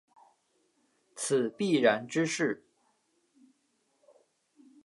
此必然之势。